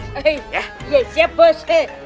iya siap bos